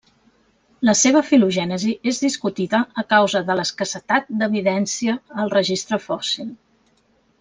La seva filogènesi és discutida a causa de l'escassetat d'evidència al registre fòssil.